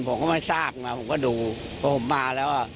ผมก็ไม่ทราบนะผมก็ดูเพราะผมมาแล้วอ่ะ